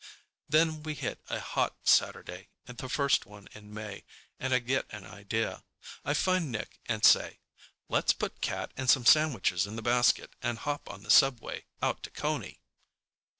Then we hit a hot Saturday, the first one in May, and I get an idea. I find Nick and say, "Let's put Cat and some sandwiches in the basket and hop the subway out to Coney."